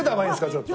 ちょっと。